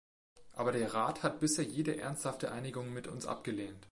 Aber der Rat hat bisher jede ernsthafte Einigung mit uns abgelehnt.